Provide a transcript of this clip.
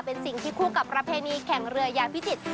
เป็นสิ่งที่คู่กับประเพณีแข่งเรือยาพิจิตร